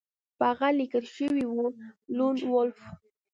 په هغه لیکل شوي وو لون وولف